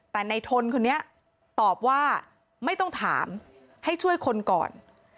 แต่ในทนคนนี้ตอบว่าไม่ต้องถามให้ช่วยคนก่อน